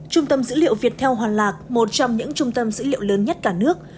trung tâm dữ liệu viettel hoàn lạc một trong những trung tâm dữ liệu lớn nhất cả nước